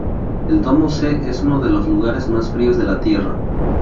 El domo C es uno de los lugares más fríos de la Tierra.